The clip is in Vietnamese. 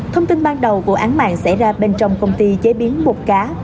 thông tin ban đầu vụ án mạng xảy ra bên trong công ty chế biến bột cá